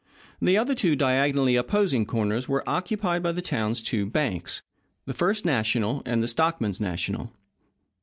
The other two diagonally opposing corners were occupied by the town's two banks, the First National and the Stockmen's National.